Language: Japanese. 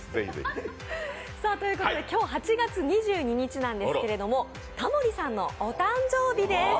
今日８月２２日なんですけれどもタモリさんのお誕生日です。